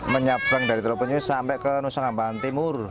menyabrang dari teloponyo sampai ke nusa kambangan timur